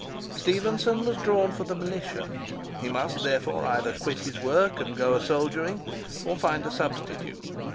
Stephenson was drawn for the militia: he must therefore either quit his work and go a soldiering, or find a substitute.